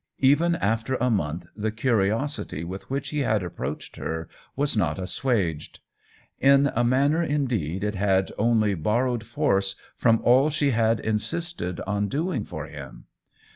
Even after a month the curiosity with which he had approached her was not assuaged ; in a manner indeed it had only borrowed force from all she had insisted on doing for him.